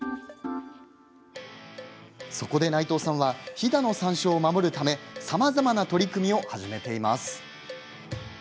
そこで内藤さんは飛騨の山椒を守るためさまざまな取り組みを始めています。